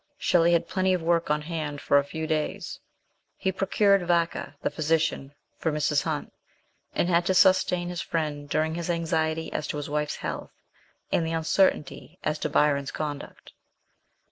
Shelley had plenty of work on hand for a few days ;, he procured Vacca, the physician, for Mrs. Hunt ; and had to sustain his friend during his anxiety as to his wife's health and the uncertainty as to Byron's conduct.